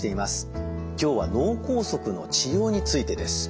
今日は脳梗塞の治療についてです。